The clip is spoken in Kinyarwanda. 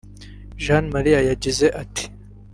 Jean Marie yagize ati